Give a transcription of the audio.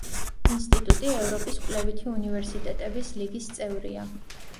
ინსტიტუტი ევროპის კვლევითი უნივერსიტეტების ლიგის წევრია.